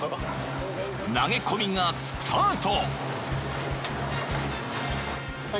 ［投げ込みがスタート］